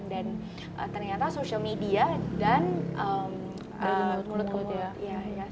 dan ternyata social media dan mulut ke mulut